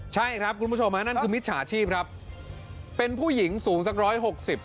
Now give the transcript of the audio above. ใช่ครับคุณผู้ชมฮะนั่นคือมิจฉาชีพครับเป็นผู้หญิงสูงสักร้อยหกสิบ